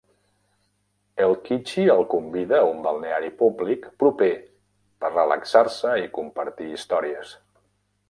Eikichi el convida a un balneari públic proper per relaxar-se i compartir històries.